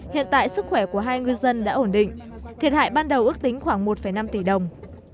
hiện tại sức khỏe của hai ngư dân đã ổn định thiệt hại ban đầu ước tính khoảng một năm tỷ đồng